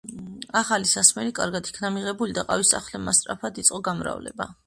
ახალი სასმელი კარგად იქნა მიღებული და ყავის სახლებმა სწრაფად იწყო გამრავლება.